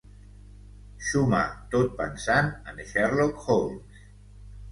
Xumar tot pensant en Sherlock Holmes.